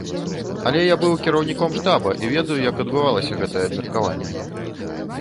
Але я быў кіраўніком штаба і я ведаю, як адбывалася гэтае абмеркаванне.